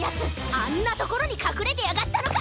あんなところにかくれてやがったのか！